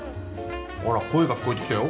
あら声が聞こえてきたよ。